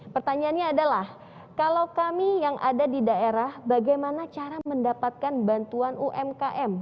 pertanyaannya adalah kalau kami yang ada di daerah bagaimana cara mendapatkan bantuan umkm